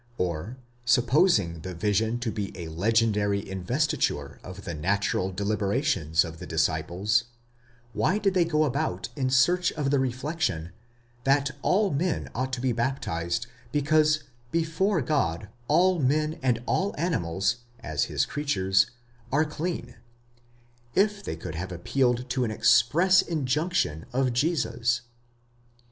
or, supposing the vision to be a legendary investiture of the natural delibera tions of the disciples, why did they go about in search of the reflection, that all men ought to be baptized, because before God all men and all animals, as his creatures, are clean, if they could have appealed to an express injunction of Jesus?